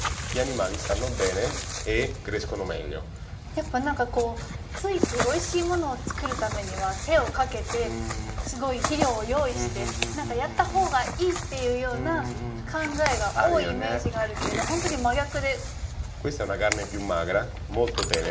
やっぱ何かこうついついおいしいものを作るためには手をかけてすごい肥料を用意して何かやったほうがいいっていうような考えが多いイメージがあるけれど本当に真逆で。